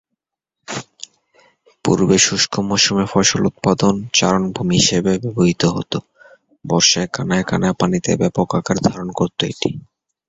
পূর্বে শুষ্ক মৌসুমে ফসল উৎপাদন, চারণভূমি হিসেবে ব্যবহৃত হত; বর্ষায় কানায় কানায় পানিতে ব্যাপক আকার ধারণ করত এটি।